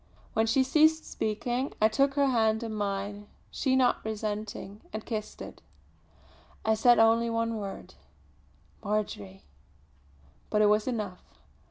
When she ceased speaking I took her hand in mine, she not resenting, and kissed it. I said only one word "Marjory!" but it was enough.